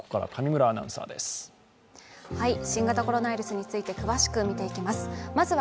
新型コロナウイルスについて、詳しく見ていきます。